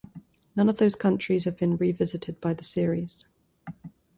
None of those countries have been revisited by the series.